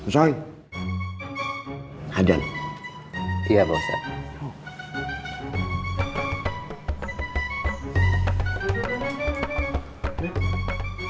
jahit hadal iya bapak